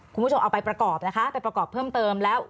คุณผู้ชมเอาไปประกอบนะคะไปประกอบเพิ่มเติมแล้ว